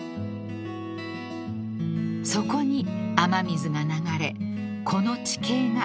［そこに雨水が流れこの地形が出来上がりました］